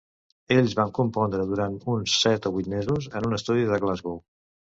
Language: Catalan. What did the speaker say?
Ells van compondre durant uns set o vuit mesos en un estudi de Glasgow.